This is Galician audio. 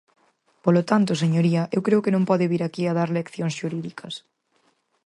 Polo tanto, señoría, eu creo que non pode vir aquí a dar leccións xurídicas.